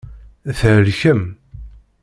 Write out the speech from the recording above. Thelkem.